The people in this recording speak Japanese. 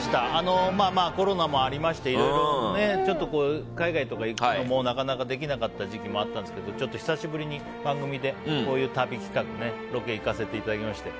コロナもありましてちょっと海外とか行くのもなかなかできなかった時期もあったんですけど久しぶりに番組でこういう旅企画ロケに行かせていただきまして。